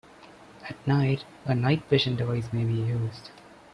At night, a night-vision device may be used.